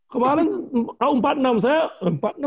kemaren kaum empat puluh enam saya